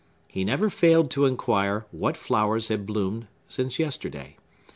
He never failed to inquire what flowers had bloomed since yesterday.